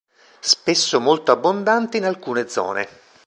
Spesso molto abbondante in alcune zone.